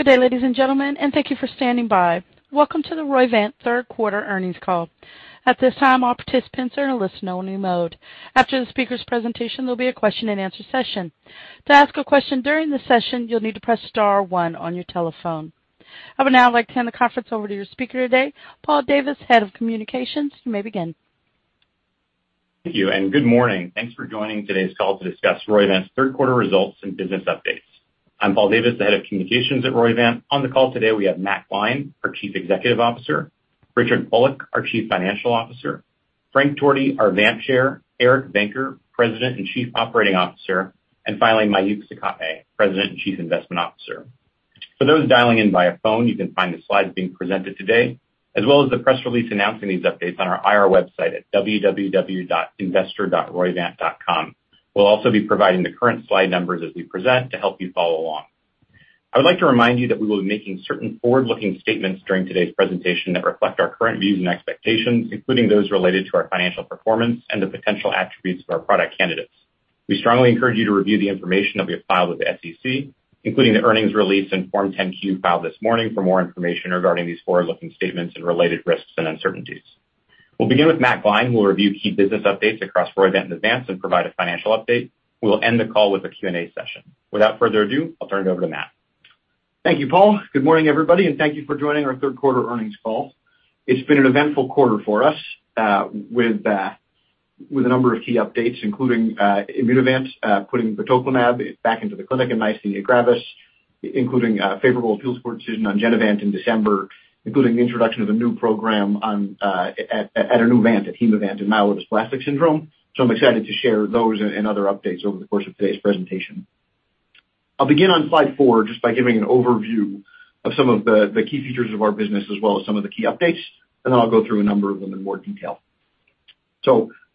Good day, ladies and gentlemen, and thank you for standing by. Welcome to the Roivant third quarter earnings call. At this time, all participants are in listen-only mode. After the speaker's presentation, there'll be a question-and-answer session. To ask a question during the session, you'll need to press star one on your telephone. I would now like to hand the conference over to your speaker today, Paul Davis, Head of Communications. You may begin. Thank you, and good morning. Thanks for joining today's call to discuss Roivant's third quarter results and business updates. I'm Paul Davis, the Head of Communications at Roivant. On the call today, we have Matt Gline, our Chief Executive Officer, Richard Pulik, our Chief Financial Officer, Frank Torti, our Vant Chair, Eric Venker, President and Chief Operating Officer, and finally, Mayukh Sukhatme, President and Chief Investment Officer. For those dialing in via phone, you can find the slides being presented today, as well as the press release announcing these updates on our IR website at www.investor.roivant.com. We'll also be providing the current slide numbers as we present to help you follow along. I would like to remind you that we will be making certain forward-looking statements during today's presentation that reflect our current views and expectations, including those related to our financial performance and the potential attributes of our product candidates. We strongly encourage you to review the information that we have filed with the SEC, including the earnings release and Form 10-Q filed this morning for more information regarding these forward-looking statements and related risks and uncertainties. We'll begin with Matt Gline, who will review key business updates across Roivant and the Vants and provide a financial update. We'll end the call with a Q&A session. Without further ado, I'll turn it over to Matt Gline. Thank you, Paul. Good morning, everybody, and thank you for joining our third quarter earnings call. It's been an eventful quarter for us with a number of key updates, including Immunovant putting batoclimab back into the clinic in myasthenia gravis, including a favorable appeals court decision on Genevant in December, including the introduction of a new program at a new Vant, at Hemavant in myelodysplastic syndrome. I'm excited to share those and other updates over the course of today's presentation. I'll begin on slide 4 just by giving an overview of some of the key features of our business as well as some of the key updates, and then I'll go through a number of them in more detail.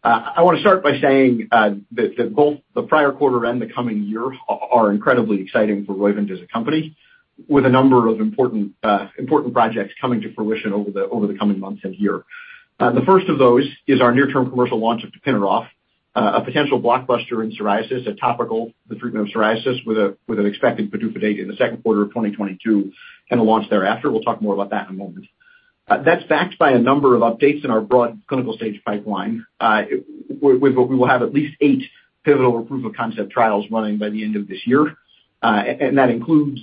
I wanna start by saying that both the prior quarter and the coming year are incredibly exciting for Roivant as a company, with a number of important projects coming to fruition over the coming months and year. The first of those is our near-term commercial launch of tapinarof, a potential blockbuster in psoriasis, a topical for treatment of psoriasis with an expected PDUFA date in the second quarter of 2022, and a launch thereafter. We'll talk more about that in a moment. That's backed by a number of updates in our broad clinical-stage pipeline. We will have at least eight pivotal or proof-of-concept trials running by the end of this year, and that includes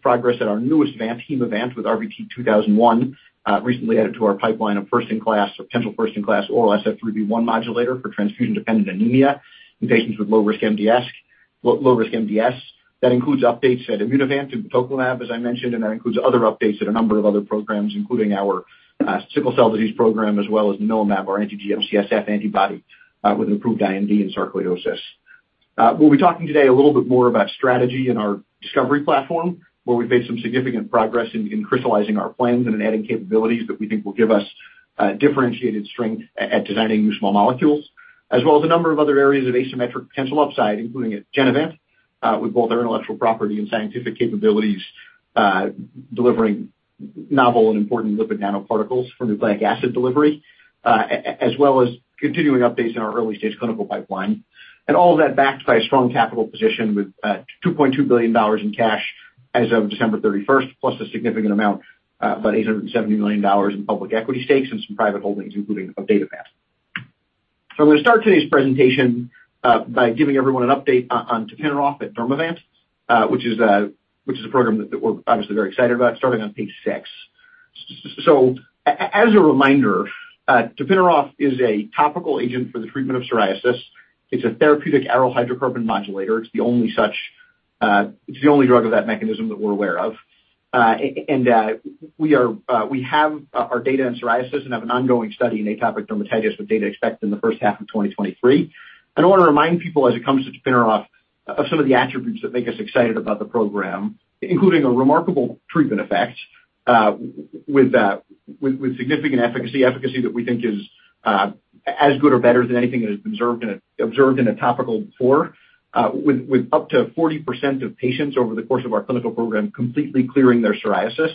progress at our newest Vant, Hemavant, with RVT-2001 recently added to our pipeline, a first-in-class, potential first-in-class oral SF3B1 modulator for transfusion-dependent anemia in patients with lower-risk MDS. That includes updates at Immunovant and batoclimab, as I mentioned, and that includes other updates at a number of other programs, including our sickle cell disease program, as well as namilumab, our anti-GM-CSF antibody, with an IND in sarcoidosis. We'll be talking today a little bit more about strategy in our discovery platform, where we've made some significant progress in crystallizing our plans and in adding capabilities that we think will give us differentiated strength at designing new small molecules, as well as a number of other areas of asymmetric potential upside, including at Genevant, with both our intellectual property and scientific capabilities, delivering novel and important lipid nanoparticles for nucleic acid delivery, as well as continuing updates in our early-stage clinical pipeline. All of that backed by a strong capital position with $2.2 billion in cash as of December 31, plus a significant amount about $870 million in public equity stakes and some private holdings, including of Datavant. I'm gonna start today's presentation by giving everyone an update on tapinarof at Dermavant, which is a program that we're obviously very excited about, starting on page six. As a reminder, tapinarof is a topical agent for the treatment of psoriasis. It's a therapeutic aryl hydrocarbon modulator. It's the only such drug of that mechanism that we're aware of. We have our data in psoriasis and have an ongoing study in atopic dermatitis with data expected in the first half of 2023. I wanna remind people as it comes to tapinarof of some of the attributes that make us excited about the program, including a remarkable treatment effect, with significant efficacy that we think is as good or better than anything that has been observed in a topical before, with up to 40% of patients over the course of our clinical program completely clearing their psoriasis,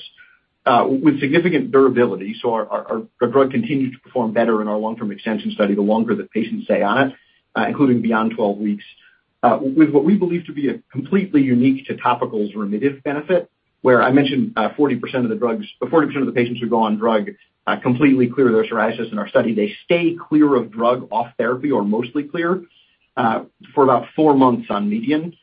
with significant durability. Our drug continued to perform better in our long-term extension study the longer that patients stay on it, including beyond 12 weeks, with what we believe to be a completely unique to topicals remittive benefit, where I mentioned 40% of the patients who go on drug completely clear their psoriasis in our study. They stay clear off drug therapy or mostly clear for about 4 months on median,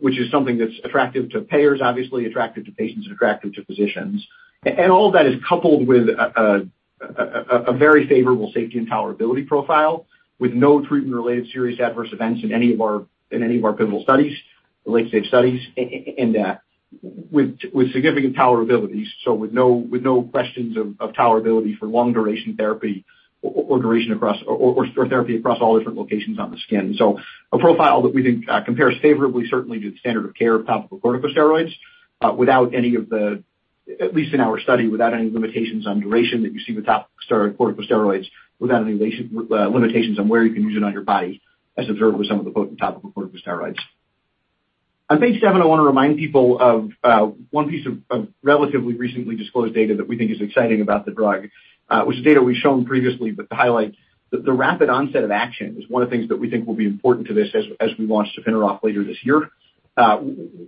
which is something that's attractive to payers, obviously attractive to patients, attractive to physicians. All of that is coupled with a very favorable safety and tolerability profile with no treatment-related serious adverse events in any of our pivotal studies, the late-stage studies, and with significant tolerability. With no questions of tolerability for long-duration therapy or therapy across all different locations on the skin. A profile that we think compares favorably certainly to the standard of care of topical corticosteroids without any of the. At least in our study, without any limitations on duration that you see with topical corticosteroids, without any limitations on where you can use it on your body as observed with some of the topical corticosteroids. On page seven, I wanna remind people of one piece of relatively recently disclosed data that we think is exciting about the drug, which is data we've shown previously, but to highlight the rapid onset of action is one of the things that we think will be important to this as we launch tapinarof later this year.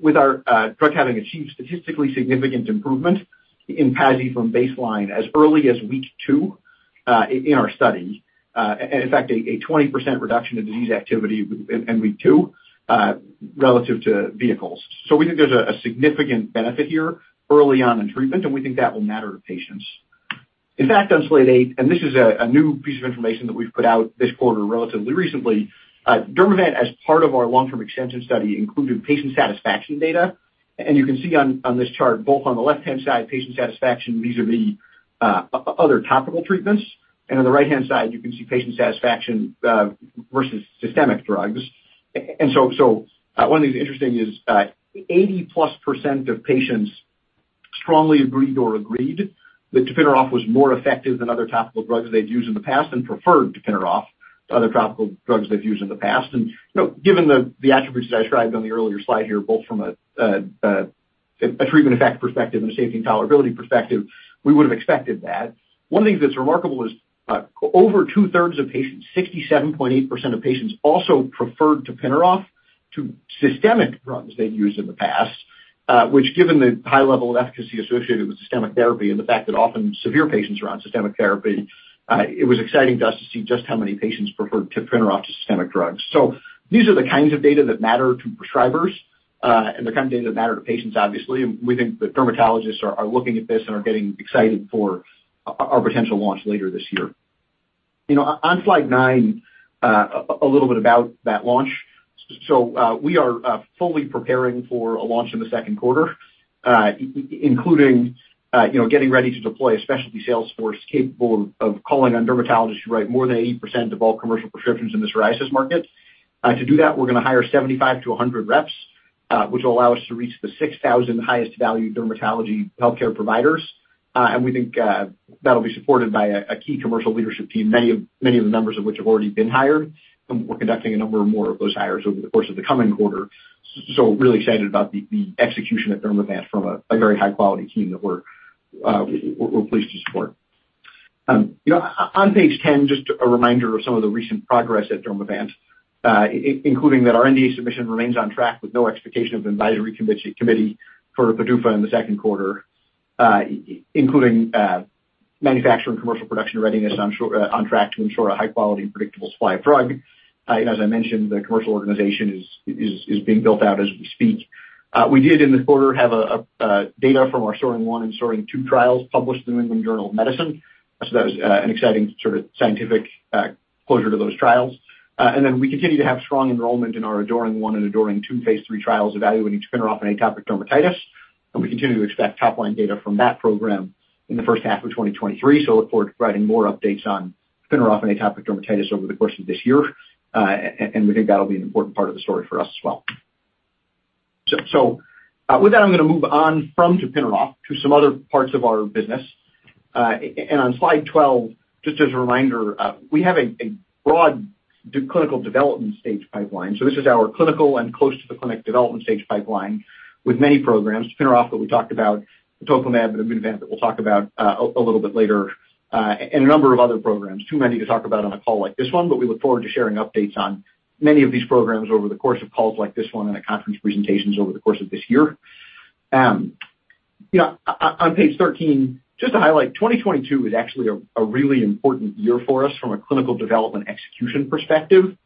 With our drug having achieved statistically significant improvement in PASI from baseline as early as week two. In our study, in fact, a 20% reduction in disease activity in week two, relative to vehicles. We think there's a significant benefit here early on in treatment, and we think that will matter to patients. In fact, on slide 8, this is a new piece of information that we've put out this quarter relatively recently. Dermavant, as part of our long-term extension study, included patient satisfaction data. You can see on this chart, both on the left-hand side, patient satisfaction. These are the other topical treatments. On the right-hand side, you can see patient satisfaction versus systemic drugs. One thing that's interesting is 80%+ of patients strongly agreed or agreed that tapinarof was more effective than other topical drugs they'd used in the past and preferred tapinarof to other topical drugs they've used in the past. You know, given the attributes that I described on the earlier slide here, both from a treatment effect perspective and a safety and tolerability perspective, we would've expected that. One thing that's remarkable is, over 2/3 of patients, 67.8% of patients, also preferred tapinarof to systemic drugs they'd used in the past, which given the high level of efficacy associated with systemic therapy and the fact that often severe patients are on systemic therapy, it was exciting to us to see just how many patients preferred tapinarof to systemic drugs. These are the kinds of data that matter to prescribers, and the kind of data that matter to patients, obviously. We think the dermatologists are looking at this and are getting excited for our potential launch later this year. You know, on slide nine, a little bit about that launch. We are fully preparing for a launch in the second quarter, including, you know, getting ready to deploy a specialty sales force capable of calling on dermatologists who write more than 80% of all commercial prescriptions in the psoriasis market. To do that, we're gonna hire 75 to 100 reps, which will allow us to reach the 6,000 highest-value dermatology healthcare providers. We think that'll be supported by a key commercial leadership team, many of the members of which have already been hired, and we're conducting a number of more of those hires over the course of the coming quarter. So really excited about the execution at Dermavant from a very high-quality team that we're pleased to support. You know, on page 10, just a reminder of some of the recent progress at Dermavant, including that our NDA submission remains on track with no expectation of an advisory committee for PDUFA in the second quarter, including manufacturing commercial production readiness on track to ensure a high quality and predictable supply of drug. As I mentioned, the commercial organization is being built out as we speak. We did in this quarter have data from our PSOARING-1 and PSOARING-2 trials published in The New England Journal of Medicine. That was an exciting sort of scientific closure to those trials. We continue to have strong enrollment in our ADORING-1 and ADORING-2 phase III trials evaluating tapinarof in atopic dermatitis, and we continue to expect top-line data from that program in the first half of 2023. Look forward to providing more updates on tapinarof in atopic dermatitis over the course of this year. We think that'll be an important part of the story for us as well. With that, I'm gonna move on from tapinarof to some other parts of our business. On slide 12, just as a reminder, we have a broad clinical development stage pipeline. This is our clinical and close to the clinic development stage pipeline with many programs. tapinarof that we talked about, the batoclimab and Immunovant that we'll talk about, a little bit later, and a number of other programs. Too many to talk about on a call like this one, but we look forward to sharing updates on many of these programs over the course of calls like this one and at conference presentations over the course of this year. You know, on page 13, just to highlight, 2022 is actually a really important year for us from a clinical development execution perspective.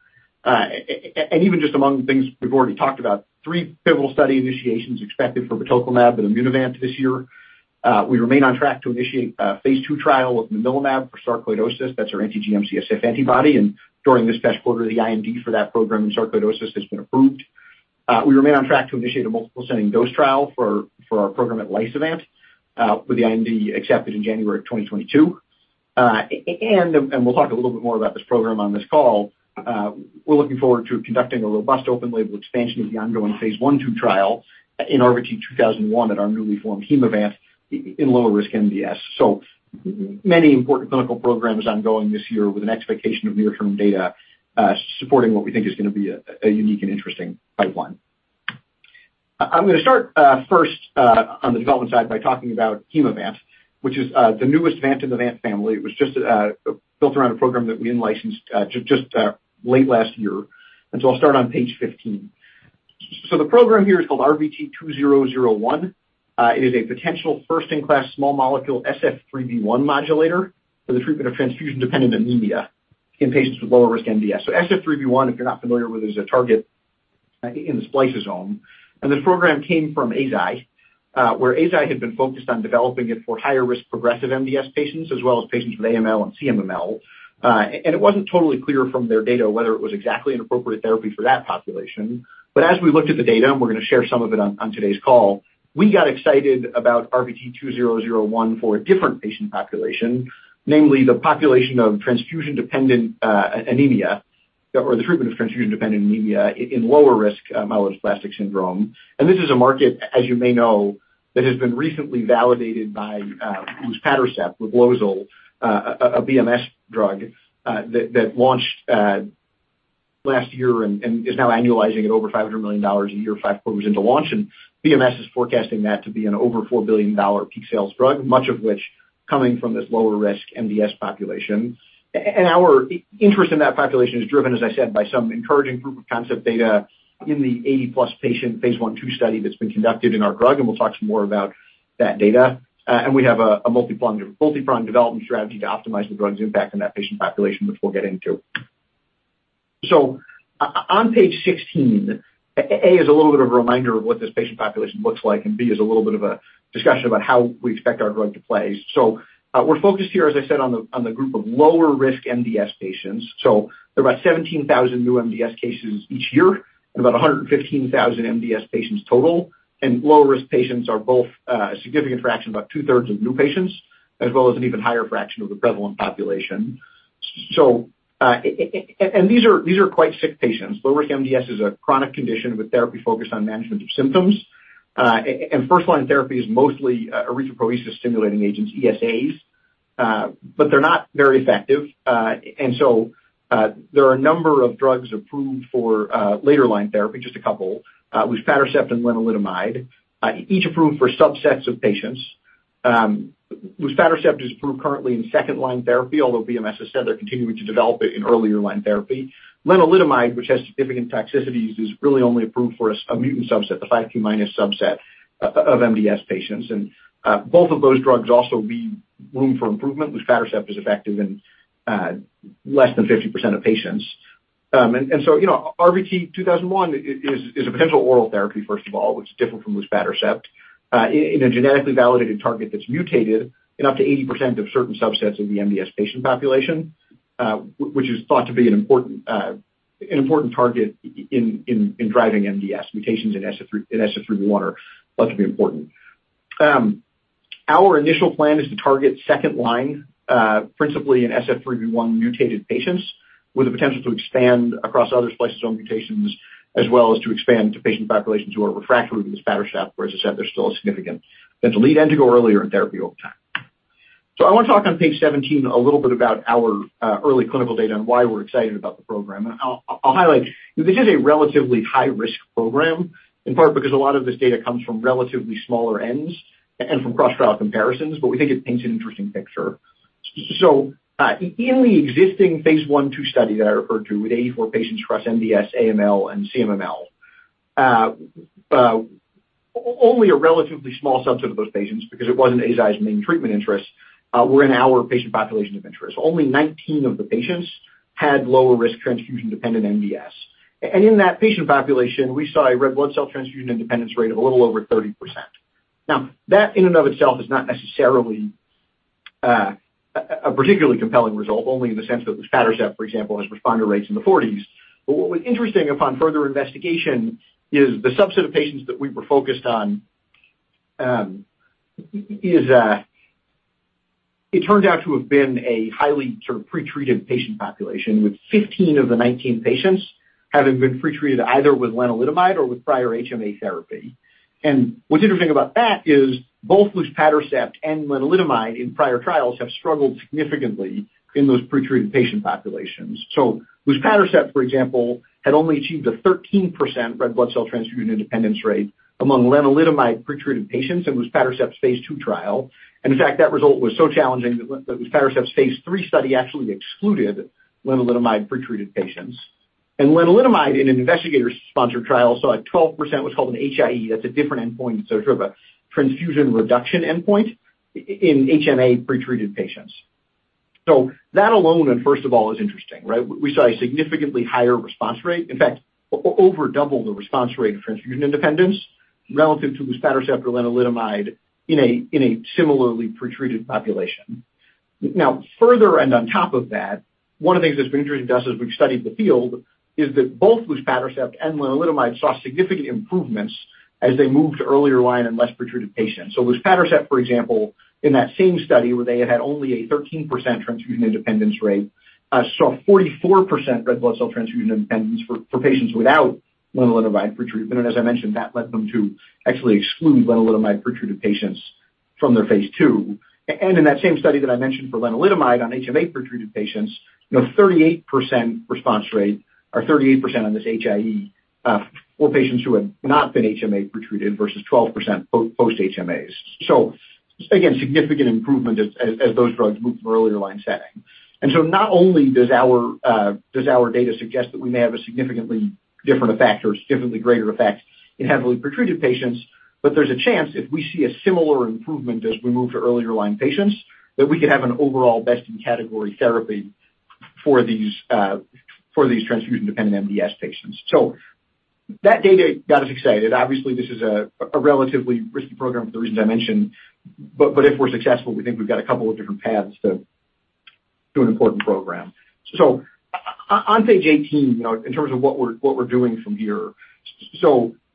Even just among the things we've already talked about, three pivotal study initiations expected for batoclimab and Immunovant this year. We remain on track to initiate a phase II trial of namilumab for sarcoidosis. That's our anti-GM-CSF antibody, and during this past quarter, the IND for that program in sarcoidosis has been approved. We remain on track to initiate a multiple ascending dose trial for our program at Immunovant with the IND accepted in January 2022. We'll talk a little bit more about this program on this call. We're looking forward to conducting a robust open label expansion of the ongoing phase I/II trial in RVT-2001 at our newly formed Hemavant in lower-risk MDS. Many important clinical programs ongoing this year with an expectation of near-term data supporting what we think is gonna be a unique and interesting pipeline. I'm gonna start first on the development side by talking about Hemavant, which is the newest Vant in the Vant family. It was just built around a program that we in-licensed just late last year. I'll start on page 15. The program here is called RVT-2001. It is a potential first-in-class small molecule SF3B1 modulator for the treatment of transfusion-dependent anemia in patients with lower risk MDS. SF3B1, if you're not familiar with it, is a target in the spliceosome. This program came from Eisai, where Eisai had been focused on developing it for higher risk progressive MDS patients as well as patients with AML and CMML. And it wasn't totally clear from their data whether it was exactly an appropriate therapy for that population. As we looked at the data, and we're gonna share some of it on today's call, we got excited about RVT-2001 for a different patient population, namely the population of transfusion-dependent anemia, or the treatment of transfusion-dependent anemia in lower risk myelodysplastic syndrome. This is a market, as you may know, that has been recently validated by Luspatercept with Reblozyl, a BMS drug, that launched last year and is now annualizing at over $500 million a year five quarters into launch. BMS is forecasting that to be an over $4 billion peak sales drug, much of which coming from this lower risk MDS population. Our interest in that population is driven, as I said, by some encouraging proof of concept data in the 80+ patient phase I/II study that's been conducted in our drug, and we'll talk some more about that data. We have a multi-prong development strategy to optimize the drug's impact on that patient population, which we'll get into. On page 16, A is a little bit of a reminder of what this patient population looks like, and B is a little bit of a discussion about how we expect our drug to play. We're focused here, as I said, on the group of lower risk MDS patients. There are about 17,000 new MDS cases each year and about 115,000 MDS patients total. Lower risk patients are both a significant fraction, about two-thirds of new patients, as well as an even higher fraction of the prevalent population. These are quite sick patients. Lower risk MDS is a chronic condition with therapy focused on management of symptoms. First-line therapy is mostly erythropoiesis-stimulating agents, ESAs, but they're not very effective. There are a number of drugs approved for later-line therapy, just a couple, Luspatercept and Lenalidomide, each approved for subsets of patients. Luspatercept is approved currently in second-line therapy, although BMS has said they're continuing to develop it in earlier-line therapy. Lenalidomide, which has significant toxicities, is really only approved for 5q- mutant subset, the 5q- subset of MDS patients. Both of those drugs also leave room for improvement. luspatercept is effective in less than 50% of patients. You know, RVT-2001 is a potential oral therapy, first of all, which is different from luspatercept in a genetically validated target that's mutated in up to 80% of certain subsets of the MDS patient population, which is thought to be an important target in driving MDS. Mutations in SF3B1 are thought to be important. Our initial plan is to target second line, principally in SF3B1 mutated patients with the potential to expand across other spliceosome mutations, as well as to expand to patient populations who are refractory to luspatercept, where, as I said, there's still a significant potential need and to go earlier in therapy over time. I wanna talk on page 17 a little bit about our early clinical data and why we're excited about the program. I'll highlight this is a relatively high risk program, in part because a lot of this data comes from relatively smaller n's and from cross trial comparisons, but we think it paints an interesting picture. In the existing phase I/II study that I referred to with 84 patients across MDS, AML, and CMML, only a relatively small subset of those patients because it wasn't Eisai's main treatment interest were in our patient population of interest. Only 19 of the patients had lower risk transfusion-dependent MDS. In that patient population, we saw a red blood cell transfusion independence rate of a little over 30%. Now, that in and of itself is not necessarily a particularly compelling result, only in the sense that Luspatercept, for example, has responder rates in the 40s. What was interesting upon further investigation is the subset of patients that we were focused on. It turned out to have been a highly sort of pretreated patient population, with 15 of the 19 patients having been pretreated either with Lenalidomide or with prior HMA therapy. What's interesting about that is both Luspatercept and Lenalidomide in prior trials have struggled significantly in those pretreated patient populations. Luspatercept, for example, had only achieved a 13% red blood cell transfusion independence rate among Lenalidomide pretreated patients in Luspatercept's phase II trial. In fact, that result was so challenging that Luspatercept's phase III study actually excluded Lenalidomide pretreated patients. Lenalidomide in an investigator-sponsored trial saw a 12% what's called an HI-E. That's a different endpoint. Sort of a transfusion reduction endpoint in HMA pretreated patients. That alone then first of all is interesting, right? We saw a significantly higher response rate, in fact over double the response rate of transfusion independence relative to Luspatercept or Lenalidomide in a similarly pretreated population. Now further and on top of that, one of the things that's been interesting to us as we've studied the field is that both Luspatercept and Lenalidomide saw significant improvements as they moved to earlier line in less pretreated patients. Luspatercept, for example, in that same study where they had only a 13% transfusion independence rate, saw 44% red blood cell transfusion independence for patients without Lenalidomide pretreatment. As I mentioned, that led them to actually exclude Lenalidomide pretreated patients from their phase II. In that same study that I mentioned for Lenalidomide on HMA pretreated patients, 38% response rate or 38% on this HI-E for patients who had not been HMA pretreated versus 12% post HMAs. Again, significant improvement as those drugs move to an earlier line setting. Not only does our data suggest that we may have a significantly different effect or significantly greater effect in heavily pretreated patients, but there's a chance if we see a similar improvement as we move to earlier line patients, that we could have an overall best in category therapy for these transfusion-dependent MDS patients. That data got us excited. Obviously, this is a relatively risky program for the reasons I mentioned, but if we're successful, we think we've got a couple of different paths to an important program. On page 18, you know, in terms of what we're doing from here,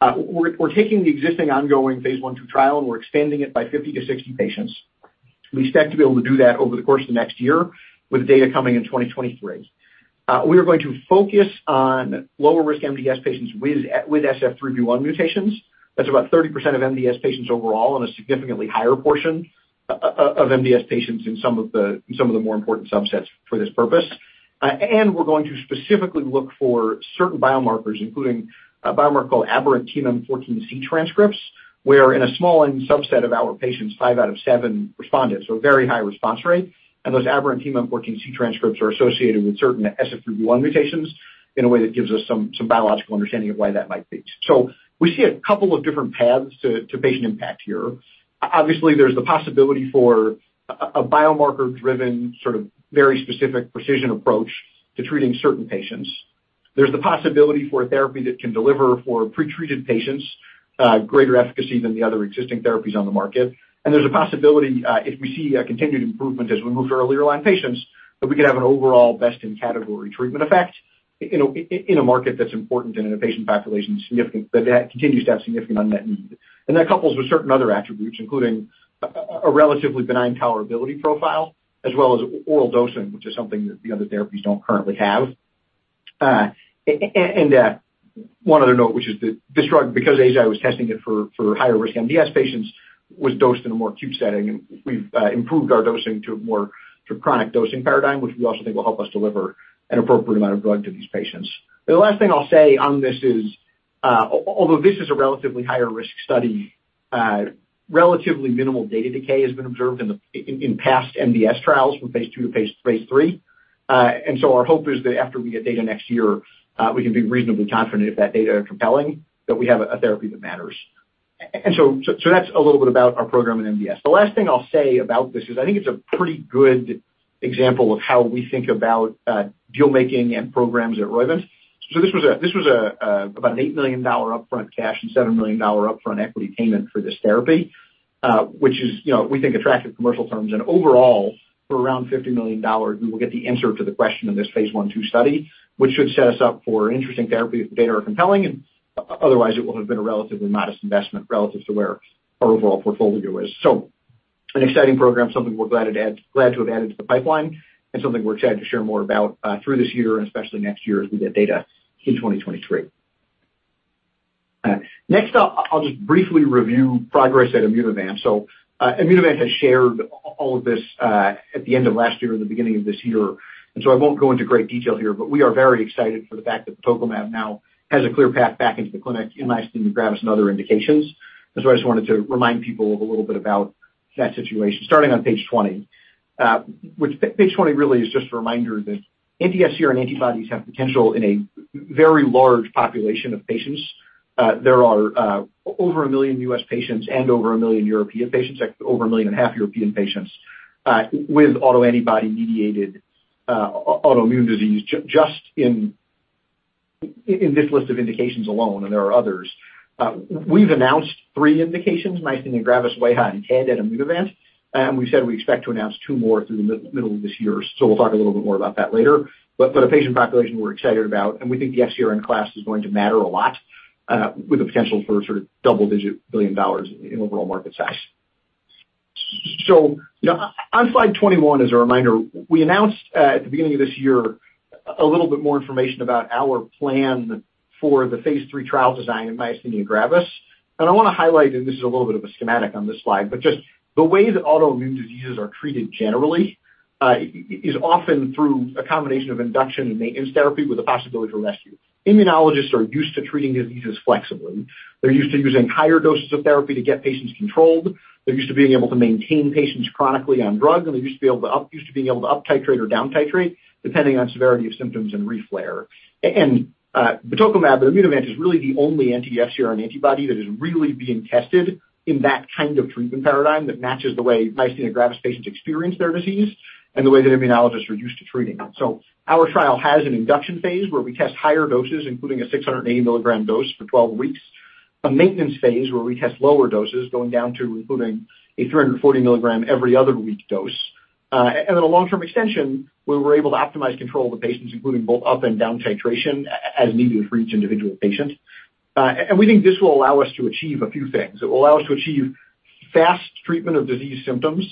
we're taking the existing ongoing phase I/II trial, and we're expanding it by 50-60 patients. We expect to be able to do that over the course of the next year with the data coming in 2023. We are going to focus on lower-risk MDS patients with SF3B1 mutations. That's about 30% of MDS patients overall and a significantly higher portion of MDS patients in some of the more important subsets for this purpose. We're going to specifically look for certain biomarkers, including a biomarker called aberrant TMEM14C transcripts, where in a small subset of our patients, 5 out of 7 responded, so a very high response rate. Those aberrant TMEM14C transcripts are associated with certain SF3B1 mutations in a way that gives us some biological understanding of why that might be. We see a couple of different paths to patient impact here. Obviously, there's the possibility for a biomarker-driven sort of very specific precision approach to treating certain patients. There's the possibility for a therapy that can deliver for pre-treated patients greater efficacy than the other existing therapies on the market. There's a possibility, if we see a continued improvement as we move to earlier line patients, that we could have an overall best-in-category treatment effect in a market that's important and in a patient population significant, that continues to have significant unmet need. That couples with certain other attributes, including a relatively benign tolerability profile, as well as oral dosing, which is something that the other therapies don't currently have. One other note, which is that this drug, because ASI was testing it for higher risk MDS patients, was dosed in a more acute setting, and we've improved our dosing to a more chronic dosing paradigm, which we also think will help us deliver an appropriate amount of drug to these patients. The last thing I'll say on this is, although this is a relatively higher risk study, relatively minimal data decay has been observed in the past MDS trials from phase II to phase III. Our hope is that after we get data next year, we can be reasonably confident if that data are compelling, that we have a therapy that matters. That's a little bit about our program in MDS. The last thing I'll say about this is I think it's a pretty good example of how we think about deal making and programs at Roivant. This was about an $8 million upfront cash and $7 million upfront equity payment for this therapy, which, you know, we think attractive commercial terms. Overall, for around $50 million, we will get the answer to the question in this phase I/II study, which should set us up for an interesting therapy if the data are compelling and otherwise, it will have been a relatively modest investment relative to where our overall portfolio is. An exciting program, something we're glad to have added to the pipeline and something we're excited to share more about through this year and especially next year as we get data in 2023. Next, I'll just briefly review progress at Immunovant. Immunovant has shared all of this at the end of last year and the beginning of this year. I won't go into great detail here, but we are very excited for the fact that batoclimab now has a clear path back into the clinic in myasthenia gravis and other indications. I just wanted to remind people of a little bit about that situation, starting on page 20. Page 20 really is just a reminder that anti-FcRn antibodies have potential in a very large population of patients. There are over 1 million U.S. patients and over 1.5 million European patients with autoantibody-mediated autoimmune disease just in this list of indications alone, and there are others. We've announced 3 indications, myasthenia gravis, wAIHA, and TED at Immunovant event, and we said we expect to announce 2 more through the middle of this year. We'll talk a little bit more about that later. A patient population we're excited about, and we think the SCARN class is going to matter a lot, with the potential for sort of double-digit billion dollars in overall market size. You know, on slide 21, as a reminder, we announced at the beginning of this year a little bit more information about our plan for the phase III trial design in myasthenia gravis. I want to highlight, and this is a little bit of a schematic on this slide, but just the way that autoimmune diseases are treated generally, is often through a combination of induction and maintenance therapy with the possibility for rescue. Immunologists are used to treating diseases flexibly. They're used to using higher doses of therapy to get patients controlled. They're used to being able to maintain patients chronically on drug. They're used to being able to up titrate or down titrate depending on severity of symptoms and reflare. Batoclimab at Immunovant is really the only anti-FcRn antibody that is really being tested in that kind of treatment paradigm that matches the way myasthenia gravis patients experience their disease and the way that immunologists are used to treating them. Our trial has an induction phase where we test higher doses, including a 680 mg dose for 12 weeks. A maintenance phase where we test lower doses, going down to including a 340 mg every other week dose. A long-term extension, where we're able to optimize control of the patients, including both up and down titration as needed for each individual patient. We think this will allow us to achieve a few things. It will allow us to achieve fast treatment of disease symptoms.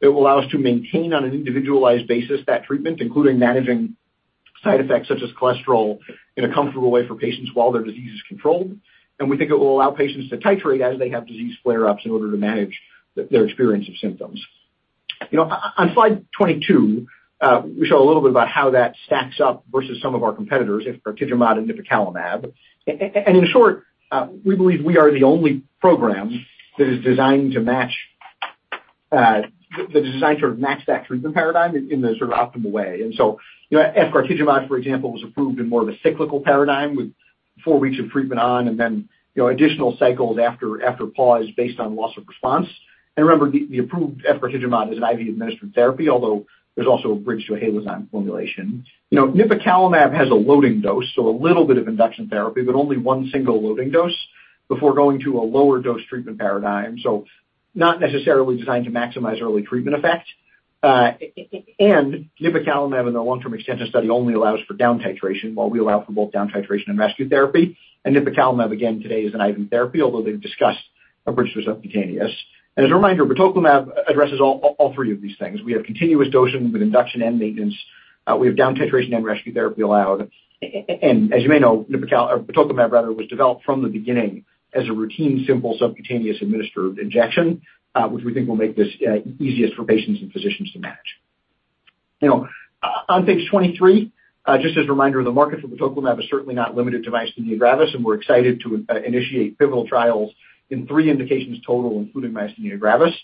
It will allow us to maintain on an individualized basis that treatment, including managing side effects such as cholesterol in a comfortable way for patients while their disease is controlled. We think it will allow patients to titrate as they have disease flare-ups in order to manage their experience of symptoms. You know, on slide 22, we show a little bit about how that stacks up versus some of our competitors, efgartigimod and nipocalimab. In short, we believe we are the only program that is designed to match that treatment paradigm in the sort of optimal way. You know, efgartigimod, for example, was approved in more of a cyclical paradigm with four weeks of treatment on and then, you know, additional cycles after pause based on loss of response. Remember, the approved efgartigimod is an IV-administered therapy, although there's also a bridge to a Halozyme formulation. You know, nipocalimab has a loading dose, so a little bit of induction therapy, but only one single loading dose before going to a lower dose treatment paradigm. Not necessarily designed to maximize early treatment effect. And nipocalimab in the long-term extension study only allows for down titration, while we allow for both down titration and rescue therapy. Nipocalimab, again, today is an IV therapy, although they've discussed a bridge to subcutaneous. As a reminder, batoclimab addresses all three of these things. We have continuous dosing with induction and maintenance. We have down titration and rescue therapy allowed. And as you may know, batoclimab, rather, was developed from the beginning as a routine, simple, subcutaneously administered injection, which we think will make this easiest for patients and physicians to manage. You know, on page 23, just as a reminder, the market for batoclimab is certainly not limited to myasthenia gravis, and we're excited to initiate pivotal trials in three indications total, including myasthenia gravis.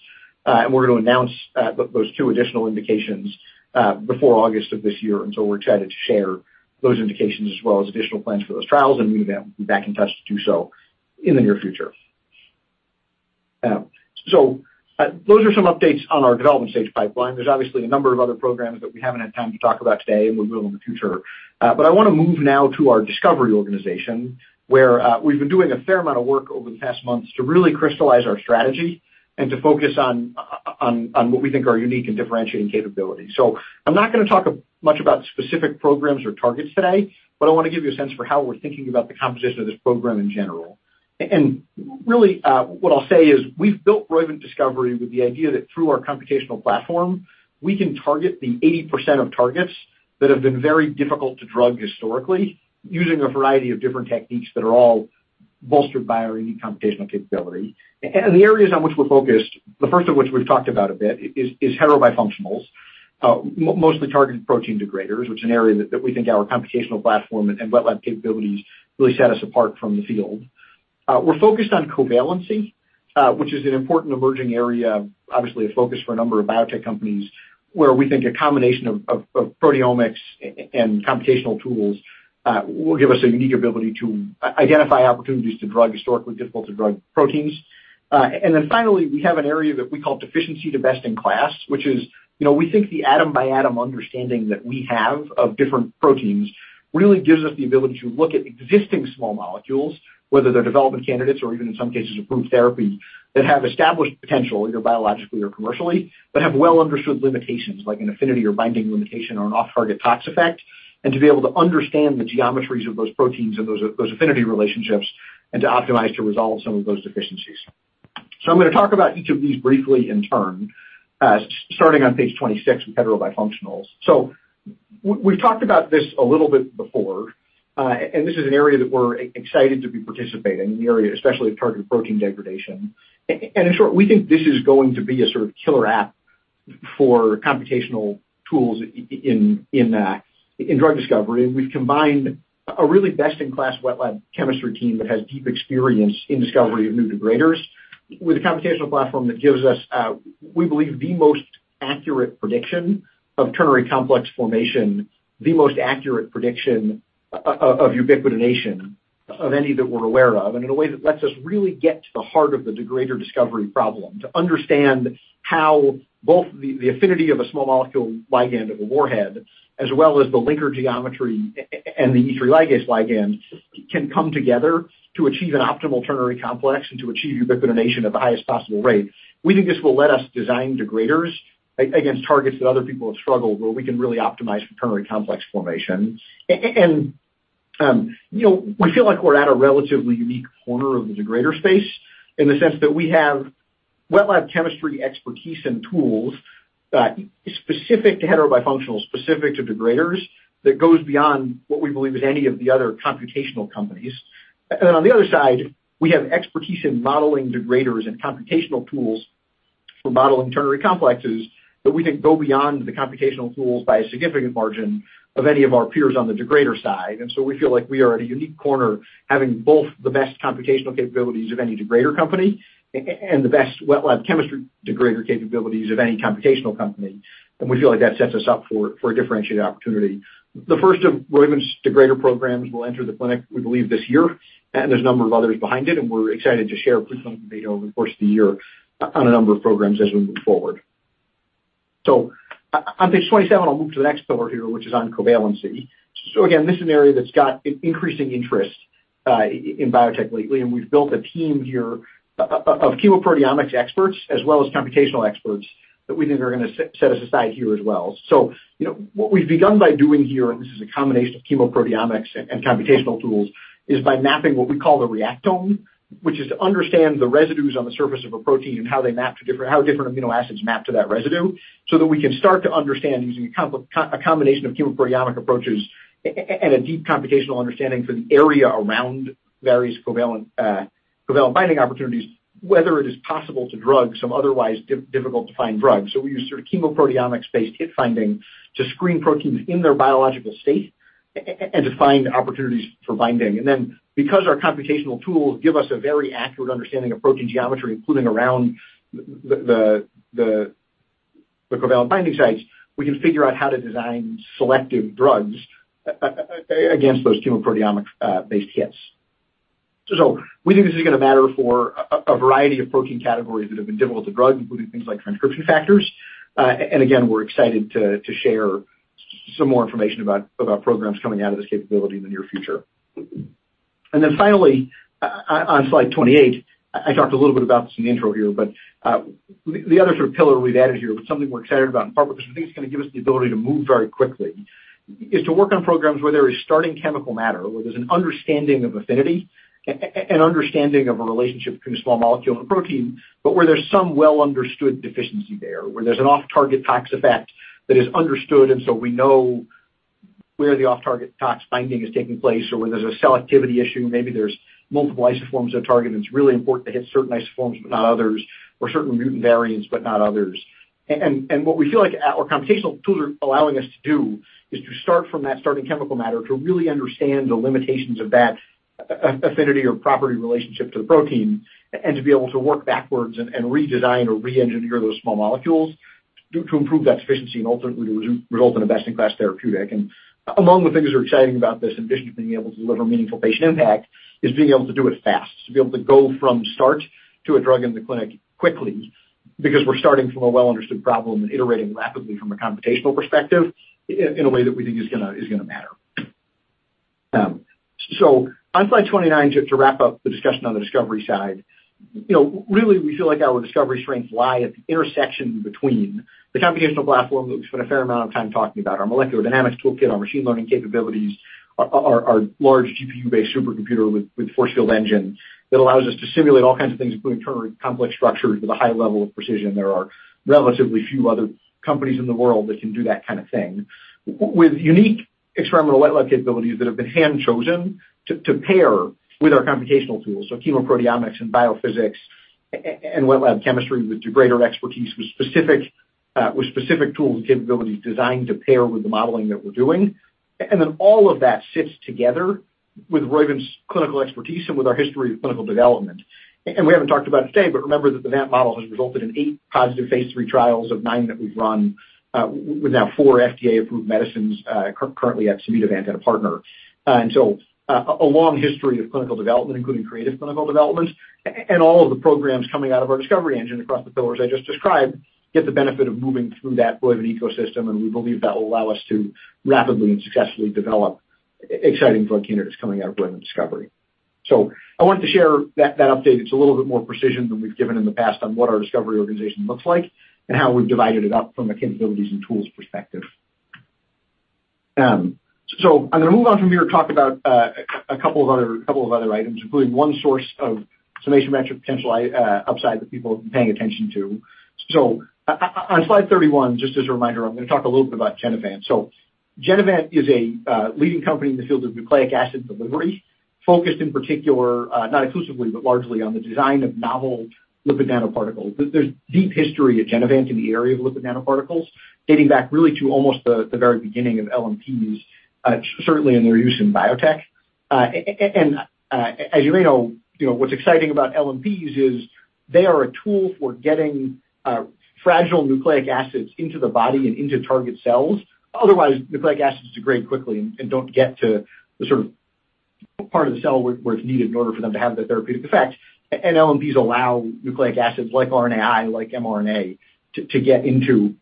We're gonna announce those two additional indications before August of this year, and we're excited to share those indications as well as additional plans for those trials, and we will be back in touch to do so in the near future. Those are some updates on our development stage pipeline. There's obviously a number of other programs that we haven't had time to talk about today, and we will in the future. I wanna move now to our discovery organization, where, we've been doing a fair amount of work over the past months to really crystallize our strategy and to focus on what we think are unique and differentiating capabilities. I'm not gonna talk much about specific programs or targets today, but I wanna give you a sense for how we're thinking about the composition of this program in general. Really, what I'll say is we've built Roivant Discovery with the idea that through our computational platform, we can target the 80% of targets that have been very difficult to drug historically, using a variety of different techniques that are all bolstered by our unique computational capability. The areas on which we're focused, the first of which we've talked about a bit is heterobifunctionals, mostly targeted protein degraders, which is an area that we think our computational platform and wet lab capabilities really set us apart from the field. We're focused on covalency, which is an important emerging area, obviously a focus for a number of biotech companies where we think a combination of proteomics and computational tools will give us a unique ability to identify opportunities to drug historically difficult to drug proteins. Finally, we have an area that we call deficiency to best-in-class, which is, you know, we think the atom by atom understanding that we have of different proteins really gives us the ability to look at existing small molecules, whether they're development candidates or even in some cases approved therapies that have established potential, either biologically or commercially, but have well understood limitations like an affinity or binding limitation or an off-target tox effect, and to be able to understand the geometries of those proteins and those affinity relationships and to optimize to resolve some of those deficiencies. I'm gonna talk about each of these briefly in turn, starting on page 26 with heterobifunctionals. We've talked about this a little bit before, and this is an area that we're excited to be participating in the area, especially with targeted protein degradation. In short, we think this is going to be a sort of killer app for computational tools in drug discovery. We've combined a really best-in-class wet lab chemistry team that has deep experience in discovery of new degraders with a computational platform that gives us, we believe, the most accurate prediction of ternary complex formation, the most accurate prediction of ubiquitination of any that we're aware of, and in a way that lets us really get to the heart of the degrader discovery problem to understand how both the affinity of a small molecule ligand of a warhead, as well as the linker geometry and the E3 ligase ligand can come together to achieve an optimal ternary complex and to achieve ubiquitination at the highest possible rate. We think this will let us design degraders against targets that other people have struggled, where we can really optimize for ternary complex formation. You know, we feel like we're at a relatively unique corner of the degrader space in the sense that we have wet lab chemistry expertise and tools specific to heterobifunctionals, specific to degraders that goes beyond what we believe is any of the other computational companies. On the other side, we have expertise in modeling degraders and computational tools for modeling ternary complexes that we think go beyond the computational tools by a significant margin of any of our peers on the degrader side. We feel like we are at a unique corner having both the best computational capabilities of any degrader company and the best wet lab chemistry degrader capabilities of any computational company. We feel like that sets us up for a differentiated opportunity. The first of Roivant's degrader programs will enter the clinic, we believe, this year, and there's a number of others behind it, and we're excited to share preclinical data over the course of the year on a number of programs as we move forward. On page 27, I'll move to the next pillar here, which is on covalency. Again, this is an area that's got increasing interest in biotech lately, and we've built a team here of chemoproteomics experts as well as computational experts that we think are gonna set us apart here as well. You know, what we've begun by doing here, and this is a combination of chemoproteomics and computational tools, is by mapping what we call the Reactome, which is to understand the residues on the surface of a protein and how different amino acids map to that residue, so that we can start to understand using a combination of chemoproteomic approaches and a deep computational understanding for the area around various covalent binding opportunities, whether it is possible to drug some otherwise difficult to find drugs. We use sort of chemoproteomics-based hit finding to screen proteins in their biological state and to find opportunities for binding. Because our computational tools give us a very accurate understanding of protein geometry, including around the covalent binding sites, we can figure out how to design selective drugs against those chemoproteomics-based hits. We think this is gonna matter for a variety of protein categories that have been difficult to drug, including things like transcription factors. We're excited to share some more information about programs coming out of this capability in the near future. Finally, on slide 28, I talked a little bit about this in the intro here, but the other sort of pillar we've added here, but something we're excited about in part because we think it's gonna give us the ability to move very quickly, is to work on programs where there is starting chemical matter, where there's an understanding of affinity, an understanding of a relationship between a small molecule and a protein, but where there's some well understood deficiency there, where there's an off target tox effect that is understood, and so we know where the off target tox binding is taking place or where there's a selectivity issue. Maybe there's multiple isoforms of target, and it's really important to hit certain isoforms but not others or certain mutant variants but not others. What we feel like our computational tools are allowing us to do is to start from that starting chemical matter to really understand the limitations of that affinity or property relationship to the protein and to be able to work backwards and redesign or re-engineer those small molecules to improve that efficiency and ultimately result in a best-in-class therapeutic. Among the things that are exciting about this, in addition to being able to deliver meaningful patient impact, is being able to do it fast, to be able to go from start to a drug in the clinic quickly because we're starting from a well-understood problem and iterating rapidly from a computational perspective in a way that we think is gonna matter. So on slide 29, just to wrap up the discussion on the discovery side, you know, really, we feel like our discovery strengths lie at the intersection between the computational platform that we've spent a fair amount of time talking about, our molecular dynamics toolkit, our machine learning capabilities, our large GPU-based supercomputer with force field engine that allows us to simulate all kinds of things, including turning complex structures with a high level of precision. There are relatively few other companies in the world that can do that kind of thing. With unique experimental wet lab capabilities that have been hand-chosen to pair with our computational tools, so chemoproteomics and biophysics and wet lab chemistry with greater expertise with specific tools and capabilities designed to pair with the modeling that we're doing. All of that sits together with Roivant's clinical expertise and with our history of clinical development. We haven't talked about it today, but remember that the VANT model has resulted in eight positive phase III trials of nine that we've run, with now four FDA-approved medicines, currently at Immunovant and a partner. A long history of clinical development, including creative clinical development, and all of the programs coming out of our discovery engine across the pillars I just described get the benefit of moving through that Roivant ecosystem, and we believe that will allow us to rapidly and successfully develop exciting drug candidates coming out of Roivant Discovery. I wanted to share that update. It's a little bit more precision than we've given in the past on what our discovery organization looks like and how we've divided it up from a capabilities and tools perspective. I'm gonna move on from here to talk about a couple of other items, including one source of sum-of-the-parts potential upside that people have been paying attention to. On slide 31, just as a reminder, I'm gonna talk a little bit about Genevant. Genevant is a leading company in the field of nucleic acid delivery, focused in particular, not exclusively, but largely on the design of novel lipid nanoparticles. There's deep history at Genevant in the area of lipid nanoparticles dating back really to almost the very beginning of LNPs, certainly in their use in biotech. And, as you may know, you know, what's exciting about LNPs is they are a tool for getting fragile nucleic acids into the body and into target cells. Otherwise, nucleic acids degrade quickly and don't get to the sort of part of the cell where it's needed in order for them to have the therapeutic effect. LNPs allow nucleic acids like RNAi, like mRNA to get into